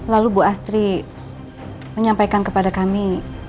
lalu bu astri menyampaikan kepada kami